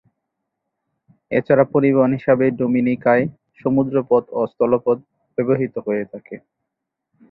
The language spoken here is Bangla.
এছাড়া পরিবহন হিসেবে ডোমিনিকায় সমুদ্র পথ ও স্থল পথ ব্যবহৃত হয়ে থাকে।